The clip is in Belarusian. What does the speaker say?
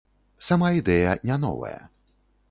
Сама ідэя не новая.